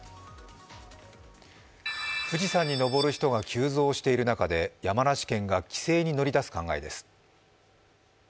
富士山に登る人が急増している中で、山梨県が規制に乗り出す考えです。